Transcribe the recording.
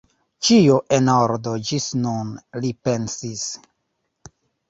Ĉio en ordo ĝis nun, li pensis.